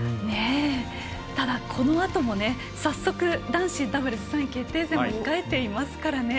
ただ、このあともさっそく男子ダブルス３位決定戦も控えていますからね。